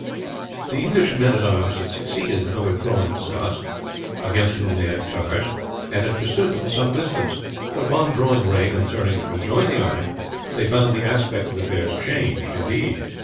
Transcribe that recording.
The English men at arms had succeeded in overthrowing the Scots, against whom they had charged, and had pursued them some distance; but upon drawing rein and turning to rejoin the army, they found the aspect of affairs changed indeed.